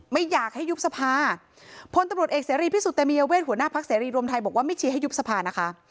ไม่อยากให้ยุบสภาพลตำรวจเอกเสรีพิสุทธิเตมียเวทหัวหน้าพักเสรีรวมไทยบอกว่าไม่เชียร์ให้ยุบสภานะคะ